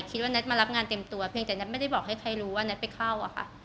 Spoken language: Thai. แน็ตมารับงานเต็มตัวเพียงแต่แท็ตไม่ได้บอกให้ใครรู้ว่าแท็ตไปเข้าอะค่ะ